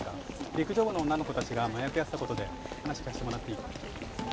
陸上部の女の子達が麻薬やってたことで話聞かせてもらっていい？